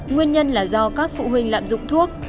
nguyên nhân là do các phụ huynh lạm dụng thuốc